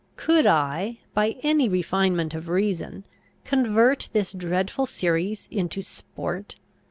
Could I, by any refinement of reason, convert this dreadful series into sport?